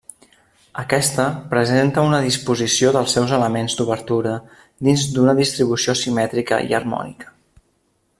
Aquesta presenta una disposició dels seus elements d'obertura dins d'una distribució simètrica i harmònica.